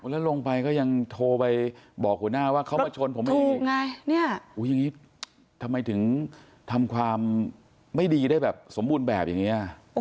แล้วลงไปก็ยังโทรไปบอกหัวหน้าว่าเขามาชนผมเองอย่างนี้ทำไมถึงทำความไม่ดีได้แบบสมบูรณ์แบบอย่างนี้